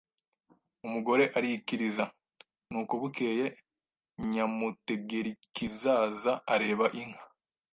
Umugore arikiriza. Nuko bukeye, Nyamutegerikizaza areba inka,